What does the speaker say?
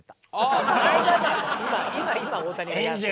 今大谷がやってる。